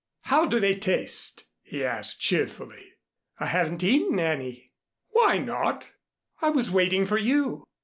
"How do they taste?" he asked cheerfully. "I haven't eaten any." "Why not?" "I was waiting for you."